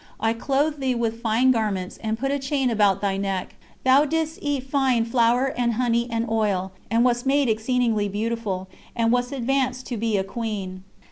I clothed thee with fine garments, and put a chain about thy neck. Thou didst eat fine flour and honey and oil, and wast made exceedingly beautiful, and wast advanced to be a queen."